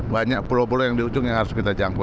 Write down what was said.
banyak pulau pulau yang di ujung yang harus kita jangkau